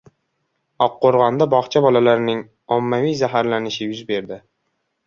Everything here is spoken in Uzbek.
Oqqo‘rg‘onda bog‘cha bolalarining ommaviy zaharlanishi yuz berdi